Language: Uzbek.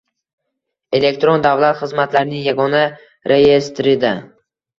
Elektron davlat xizmatlarining yagona reyestrida